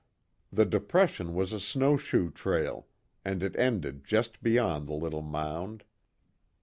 The depression was a snowshoe trail, and it ended just beyond the little mound.